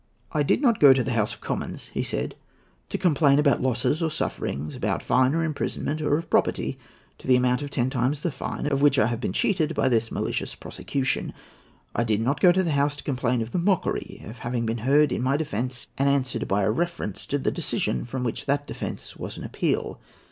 "I did not go to the House of Commons," he said, "to complain about losses or sufferings, about fine or imprisonment; or of property, to the amount of ten times the fine, of which I had been cheated by this malicious prosecution. I did not go to the House to complain of the mockery of having been heard in my defence, and answered by a reference to the decision from which that defence was an appeal.